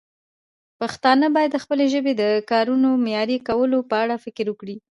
پښتانه باید د خپلې ژبې د کارونې د معیاري کولو په اړه فکر وکړي.